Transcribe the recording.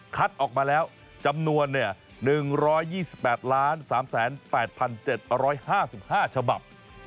คัดออกมาแล้วจำนวนเนี่ย๑๒๘๓๘๗๑๕๕ฉบับ